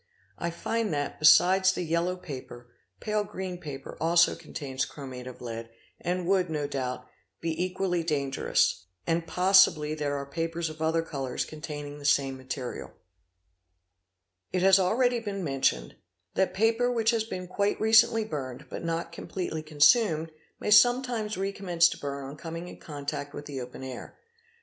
I find that, besides the yellow paper, pale green paper also contains chromate of lead, and would, no doubt, be equally dangerous, and possibly there are papers of other colours containing the same material '' 4259), It has already been mentioned (see page 482) that paper which has been quite recently burned but not completely consumed, may sometimes recommence to burn on coming in contact with the open air.